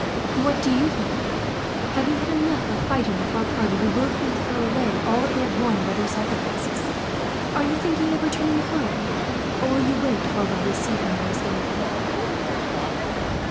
"What do you think, Philip? Have you had enough of fighting for a party who wilfully throw away all that they have won by their sacrifices? Are you thinking of returning home, or will you wait for a while, to see how matters go on?"